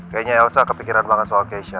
kayaknya elsa kepikiran banget soal keisha